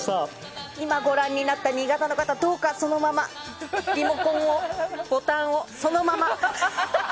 今、ご覧になった新潟の方どうか、そのままリモコンをボタンをそのまま。